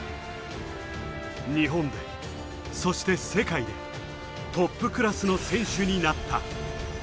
日本で、そして世界でトップクラスの選手になった。